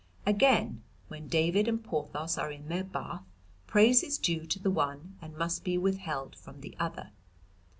"Again, when David and Porthos are in their bath, praise is due to the one and must be withheld from the other.